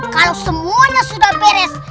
kalau semuanya sudah beres